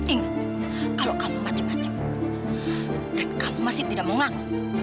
ingat kalau kamu macem macem dan kamu masih tidak mengaku